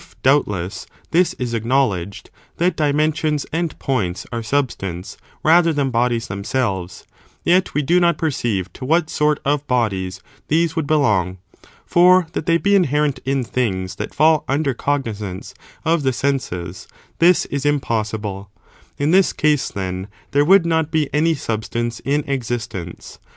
^^ doubtless, this is acknowledged, that discassionof dimensions and points are substance, rather this inquiry, ^j^^^j^ bodies themselves, yet we do not perceive to what sort of bodies these would belong (for that they be inherent in things that fall under cognisance of the senses, this is impossible) ; in this case, then, there would not be any substance in existence.